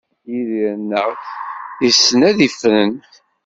Yidir-nneɣ issen ad ifren.